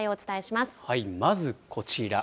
まずこちら。